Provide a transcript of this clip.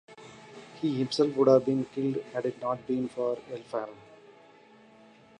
He himself would have been killed had it not been for Elfhelm.